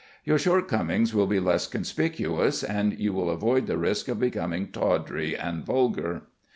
Your shortcomings will be less conspicuous, and you will avoid the risk of becoming tawdry and vulgar.